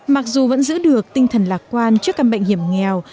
mặc dù vẫn giữ được tinh thần lạc quan trước căn bệnh hiểm nghèo